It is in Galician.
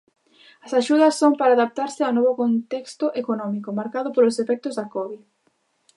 As axudas son para adaptarse ao novo contexto económico, marcado polos efectos da Covid.